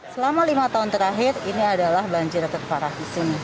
selama lima tahun terakhir ini adalah banjir terparah di sini